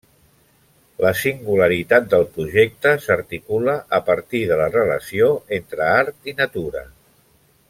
La singularitat del projecte s’articula a partir de la relació entre art i natura.